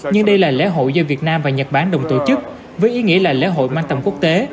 nhưng đây là lễ hội do việt nam và nhật bản đồng tổ chức với ý nghĩa là lễ hội mang tầm quốc tế